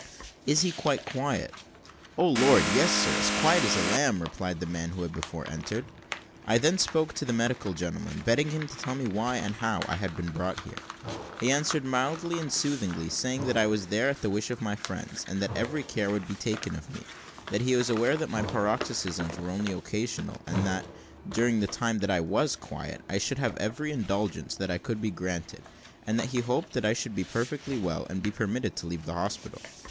"Is he quite quiet?" "O Lord! yes, sir, as quiet as a lamb," replied the man who had before entered. I then spoke to the medical gentleman, begging him to tell why, and how, I had been brought here. He answered mildly and soothingly, saying that I was there at the wish of my friends, and that every care would be taken of me; that he was aware that my paroxysms were only occasional, and that, during the time that I was quiet, I should have every indulgence that could be granted, and that he hoped that I soon should be perfectly well, and be permitted to leave the hospital.